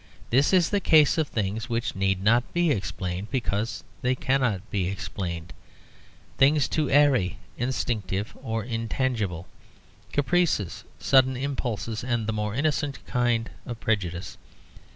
This is in the case of things which need not be explained, because they cannot be explained, things too airy, instinctive, or intangible caprices, sudden impulses, and the more innocent kind of prejudice.